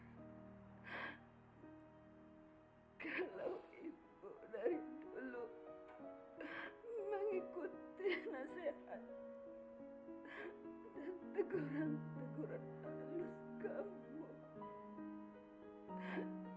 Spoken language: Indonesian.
kalau ibu sudah lupa mengikuti nasihat dan teguran teguran anak kamu